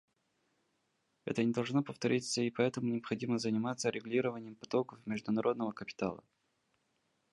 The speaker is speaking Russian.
Это не должно повториться, и поэтому необходимо заниматься регулированием потоков международного капитала.